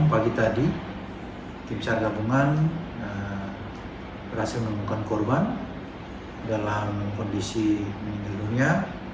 pagi tadi tim sargabungan berhasil menemukan korban dalam kondisi meninggal dunia